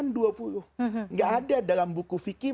nggak ada dalam buku fikih